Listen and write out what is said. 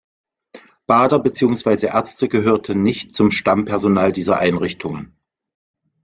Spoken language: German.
Bader beziehungsweise Ärzte gehörten nicht zum Stammpersonal dieser Einrichtungen.